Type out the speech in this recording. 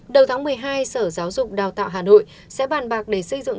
đầu tháng một mươi hai sở giáo dục đào tạo hà nội sẽ bàn bạc để xây dựng